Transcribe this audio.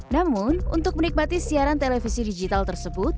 namun untuk menikmati siaran televisi digital tersebut